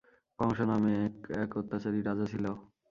কংস নামক এক অত্যাচারী রাজা ছিল।